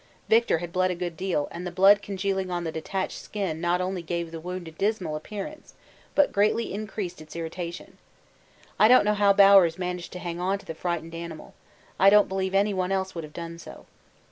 Victor had bled a good deal, and the blood congealing on the detached skin not only gave the wound a dismal appearance but greatly increased its irritation. I don't know how Bowers managed to hang on to the frightened animal; I don't believe anyone else would have done so.